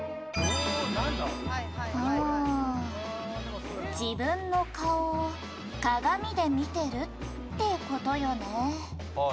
「うーん」「自分の顔を鏡で見てるって事よね」